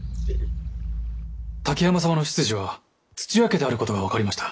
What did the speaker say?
滝山様の出自は土屋家であることが分かりました。